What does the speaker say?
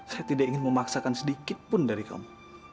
saya tidak ingin memaksakan sedikit pun dari kamu